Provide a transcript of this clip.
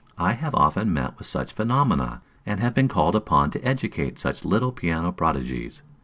I have often met with such phenomena, and have been called upon to educate such little piano prodigies.